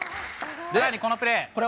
さらにこのプレー。